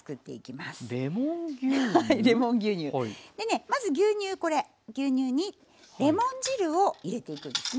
まず牛乳これ牛乳にレモン汁を入れていくんですね。